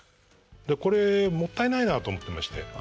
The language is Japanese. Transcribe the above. でこれもったいないなと思ってまして。